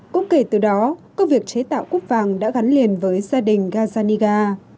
cũng kể từ đó công việc chế tạo cúp vàng đã gắn liền với gia đình gazaiga